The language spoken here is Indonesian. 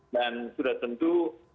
dan sudah tentu